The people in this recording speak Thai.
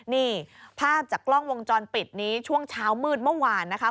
นี่ภาพจากกล้องวงจรปิดนี้ช่วงเช้ามืดเมื่อวานนะคะ